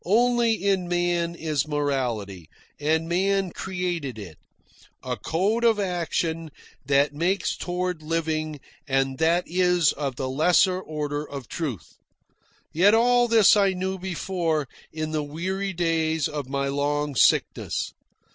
Only in man is morality, and man created it a code of action that makes toward living and that is of the lesser order of truth. Yet all this I knew before, in the weary days of my long sickness.